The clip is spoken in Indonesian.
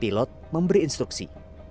pilot memberi instruksi